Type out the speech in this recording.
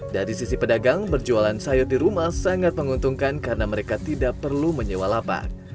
dari sisi pedagang berjualan sayur di rumah sangat menguntungkan karena mereka tidak perlu menyewa lapak